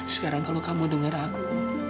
sekarang kalau kamu dengar aku